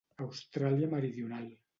Austràlia Meridional.